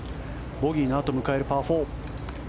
ボギーのあとに迎えるパー